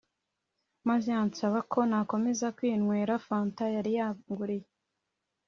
maze ansaba ko nakomeza kwinywera fanta yari yanguriye